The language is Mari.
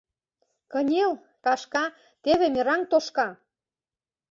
Кынел, кашка, теве мераҥ тошка.